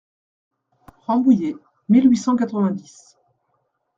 Rambouillet, mille huit cent quatre-vingt-dix.